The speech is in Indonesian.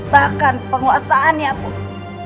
bahkan penguasaannya pun